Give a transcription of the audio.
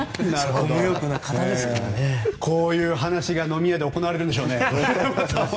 こういう話が飲み屋で行われるんでしょうね。